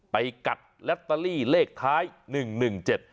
ไปกัดลอตเตอรี่เลขท้ายหนึ่งหนึ่งเจ็ด